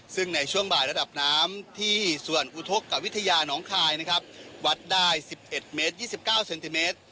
ซึ่งในช่วงบ่ายระดับน้ำที่ส่วนอุทกกวิทยาน้องคลายนะครับวัดได้สิบเอ็ดเมตรยี่สิบเก้าเซนติเมตร